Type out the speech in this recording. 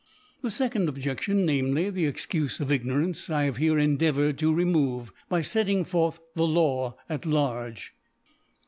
The fecond Objection, namely, the Ex cufe of Ignorance, I have here endeavoured to remove by fetting forth the Law at large.